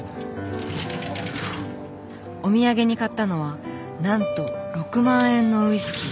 お土産に買ったのはなんと６万円のウイスキー。